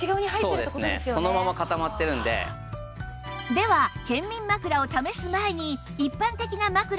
では健眠枕を試す前に